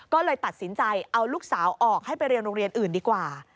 ก็เลยตัดสินใจเอาลูกสาวออกให้ไปเรียนโรงเรียนอื่นดีกว่า